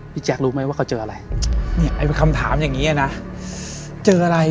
แจ๊ครู้ไหมว่าเขาเจออะไรเนี่ยไอ้คำถามอย่างงี้อ่ะนะเจออะไร